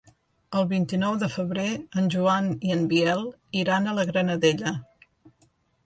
El vint-i-nou de febrer en Joan i en Biel iran a la Granadella.